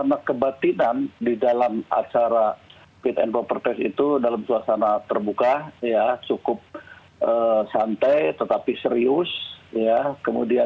jenderal andika perkasa